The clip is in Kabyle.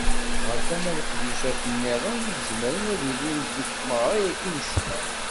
Ɣer tama n leqdicat-nniḍen i izemren ad ilin deg tmeɣra-agi n ccna.